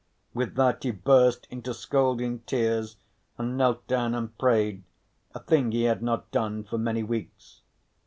With that he burst into scalding tears and knelt down and prayed, a thing he had not done for many weeks.